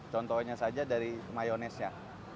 contohnya saja dari mayonaisnya